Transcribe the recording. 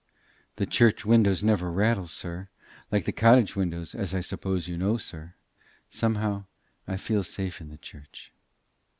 The church windows never rattle, sir like the cottage windows, as I suppose you know, sir. Somehow, I feel safe in the church."